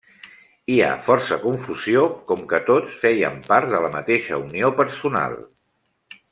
Hi ha força confusió com que tots feien part de la mateixa unió personal.